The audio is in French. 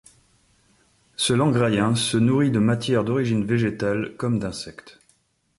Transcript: Ce langrayen se nourrit de matière d'origine végétale comme d'insectes.